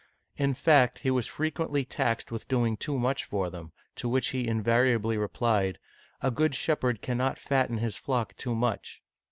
In fact, he was frequently taxed with doing too much for them, to which he invariably replied, " A good shepherd cannot fatten his flock too much.'